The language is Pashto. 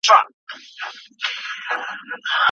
خوسکی 🐄